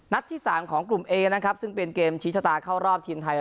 ที่๓ของกลุ่มเอนะครับซึ่งเป็นเกมชี้ชะตาเข้ารอบทีมไทย